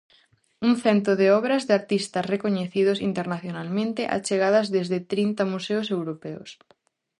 Un cento de obras de artistas recoñecidos internacionalmente achegadas desde trinta museos europeos.